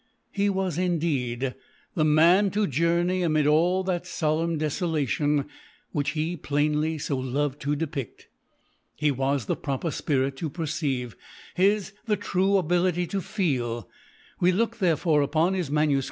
He was, indeed, the man to journey amid all that solemn desolation which he, plainly, so loved to depict. His was the proper spirit to perceive; his the true ability to feel. We look, therefore, upon his MS.